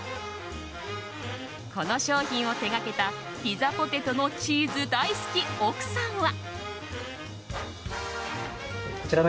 この商品を手がけたピザポテトのチーズ大好き奥さんは。